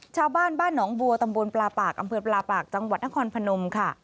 ชาวบ้านบ้านหนองบัวตำบลปลาปากอำเภอปลาปากจังหวัดนครพนมค่ะ